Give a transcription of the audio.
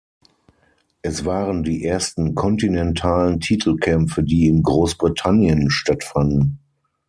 Es waren die ersten kontinentalen Titelkämpfe, die in Großbritannien stattfanden.